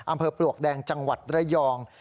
ปลวกแดงจังหวัดระยอง